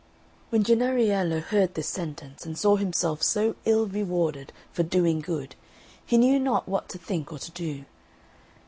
When Jennariello heard this sentence, and saw himself so ill rewarded for doing good, he knew not what to think or to do.